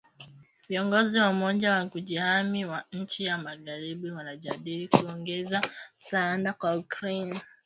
Viongozi wa Umoja wa Kujihami wa Nchi za Magharibi wanajadili kuongeza msaada kwa Ukraine .